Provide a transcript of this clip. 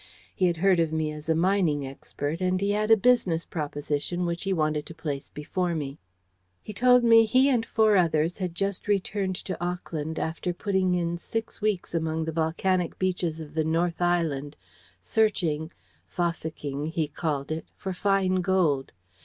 He had heard of me as a mining expert, and he had a business proposition which he wanted to place before me. "He told me he and four others had just returned to Auckland after putting in six weeks among the volcanic beaches of the North Island, searching 'fossicking,' he called it for fine gold.